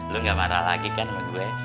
lu gak marah lagi kan sama gue